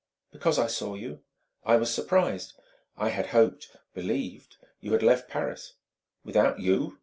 "Because I saw you... I was surprised; I had hoped believed you had left Paris." "Without you?